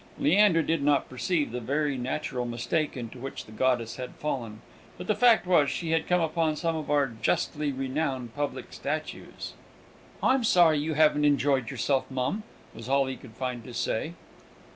Leander did not perceive the very natural mistake into which the goddess had fallen; but the fact was, that she had come upon some of our justly renowned public statues. "I'm sorry you haven't enjoyed yourself, mum," was all he could find to say.